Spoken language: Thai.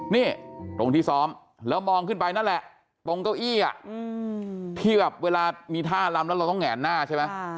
นี่ตรงที่ซ้อมแล้วมองขึ้นไปนั่นแหละตรงเก้าอี้ที่แบบเวลามีท่าลำแล้วเราต้องแหงหน้าใช่ไหม